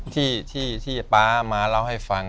ที่ป๊ามาเล่าให้ฟัง